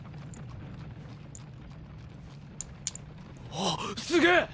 あっすげぇ！